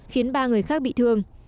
khiến ba người khác bị thương